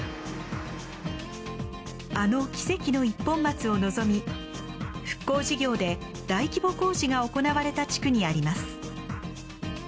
あの奇跡の一本松を望み復興事業で大規模工事が行われた地区にあります。